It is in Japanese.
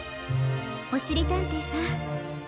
おしりたんていさん。